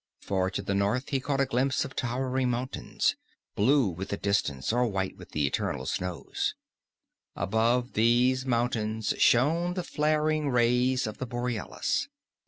Far to the north he caught a glimpse of towering mountains, blue with the distance, or white with the eternal snows. Above these mountains shone the flaring rays of the borealis.